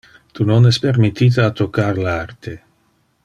Tu non es permittite a toccar le arte.